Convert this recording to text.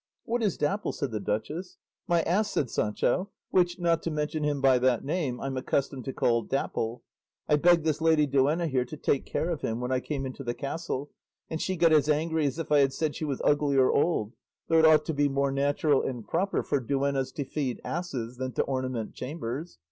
"What is Dapple?" said the duchess. "My ass," said Sancho, "which, not to mention him by that name, I'm accustomed to call Dapple; I begged this lady duenna here to take care of him when I came into the castle, and she got as angry as if I had said she was ugly or old, though it ought to be more natural and proper for duennas to feed asses than to ornament chambers.